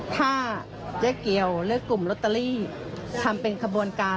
ถ้าเจ๊เกียวเลือกกลุ่มลอตเตอรี่ทำเป็นขบวนการ